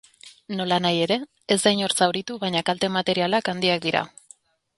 Nolanahi ere, ez da inor zauritu baina kalte materialak handiak dira.